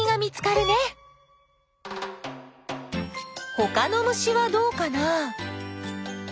ほかの虫はどうかな？